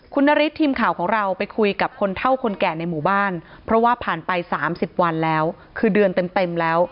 คุณนฤทธิ์ทีมข่าวของเราไปคุยกับคนเท่าคนแก่ในหมู่บ้านเพราะว่าผ่านไป๓๐วันแล้วคือเดือนเต็มแล้ว